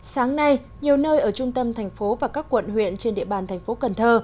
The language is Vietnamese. sáng nay nhiều nơi ở trung tâm thành phố và các quận huyện trên địa bàn thành phố cần thơ